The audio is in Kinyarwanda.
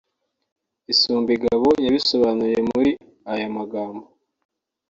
Isumbingabo yabisobanuye muri aya magambo